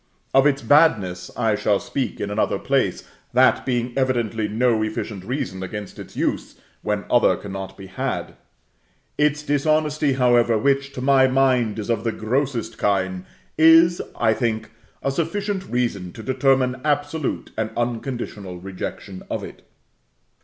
Of its badness, I shall speak in another place, that being evidently no efficient reason against its use when other cannot be had. Its dishonesty, however, which, to my mind, is of the grossest kind, is, I think, a sufficient reason to determine absolute and unconditional rejection of it.